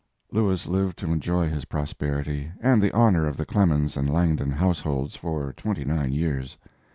Lewis lived to enjoy his prosperity, and the honor of the Clemens and Langdon households, for twenty nine years.